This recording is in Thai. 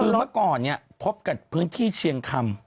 คือเมื่อก่อนเนี่ยพบกับพื้นที่เชียงคำ